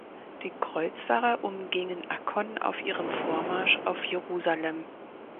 Die Kreuzfahrer umgingen Akkon auf ihrem Vormarsch auf Jerusalem.